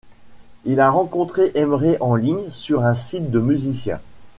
Il a rencontré Emre en ligne, sur un site de musiciens.